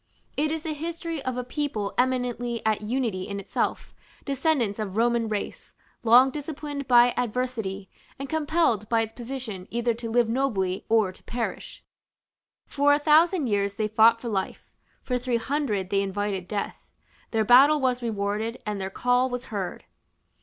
It is the history of a people eminently at unity in itself, descendants of Roman race, long disciplined by adversity, and compelled by its position either to live nobly or to perish: for a thousand years they fought for life; for three hundred they invited death: their battle was rewarded, and their call was heard.